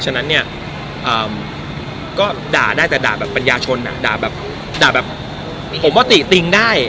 ฉะนั้นเนี่ยก็ด่าได้แต่ด่าแบบปัญญาชนด่าแบบด่าแบบผมว่าติติงได้